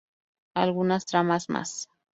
Algunas tramas más.